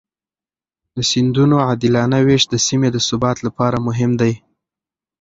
د سیندونو عادلانه وېش د سیمې د ثبات لپاره مهم دی.